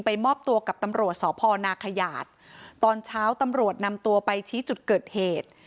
มอบตัวกับตำรวจสพนาขยาดตอนเช้าตำรวจนำตัวไปชี้จุดเกิดเหตุ